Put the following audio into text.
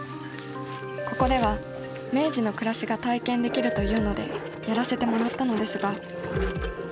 ここでは明治の暮らしが体験できるというのでやらせてもらったのですが。